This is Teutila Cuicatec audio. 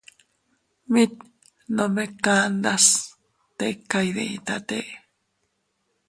Mit nome kandas tika iyditate.